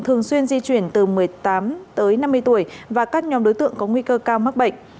thường xuyên di chuyển từ một mươi tám tới năm mươi tuổi và các nhóm đối tượng có nguy cơ cao mắc bệnh